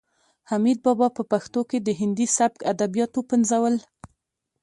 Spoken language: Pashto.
حمید بابا په پښتو کې د هندي سبک ادبیات وپنځول.